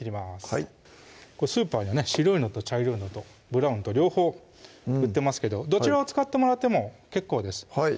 はいスーパーにはね白いのと茶色いのとブラウンと両方売ってますけどどちらを使ってもらっても結構です